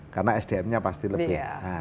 karena sdm nya pasti lebih